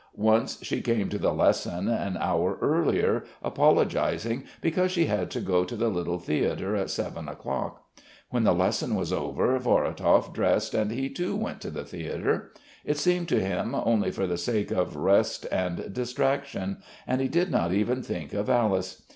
Once she came to the lesson an hour earlier, apologising because she had to go to the Little Theatre at seven o'clock. When the lesson was over Vorotov dressed and he too went to the theatre. It seemed to him only for the sake of rest and distraction, and he did not even think of Alice.